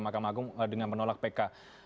mahkamah agung dengan menolak pk